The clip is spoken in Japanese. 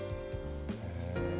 へえ。